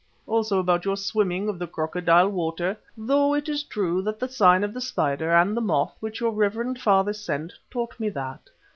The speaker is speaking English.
Also about your swimming of the Crocodile Water, though it is true that the sign of the spider and the moth which your reverend father sent, taught me that.